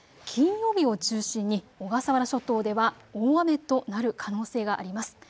金曜日を中心に小笠原諸島では大雨となる可能性があります。